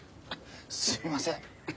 すみません。